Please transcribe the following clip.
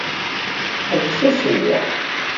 Ḥbes aṣewwer!